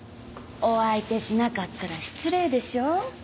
お相手しなかったら失礼でしょ。